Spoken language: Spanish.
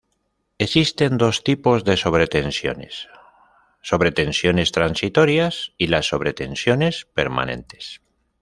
Existen dos tipos de sobretensiones: Sobretensiones transitorias y las Sobretensiones permanentes.